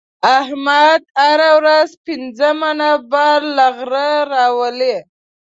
احمد هره ورځ پنځه منه بار له غره راولي.